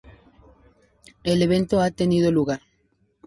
El evento ha tenido lugar.